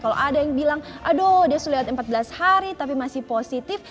kalau ada yang bilang aduh dia sudah lewat empat belas hari tapi masih positif